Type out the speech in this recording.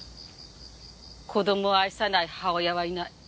子供を愛さない母親はいない。